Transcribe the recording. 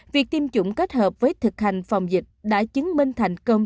việc tiêm chủng kết hợp với thực hành phòng dịch đã chứng minh thành công